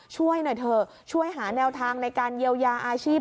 ช่วยหน่อยเถอะช่วยหาแนวทางในการเยียวยาอาชีพ